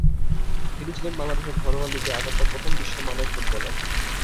তিনি ছিলেন বাংলাদেশের ঘরোয়া লিগে আগত প্রথম বিশ্বমানের ফুটবলার।